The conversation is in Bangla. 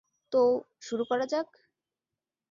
তো, শুরু করা যাক!